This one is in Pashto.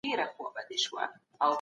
دولت به په نوو بندرونو کي پانګونه وکړي.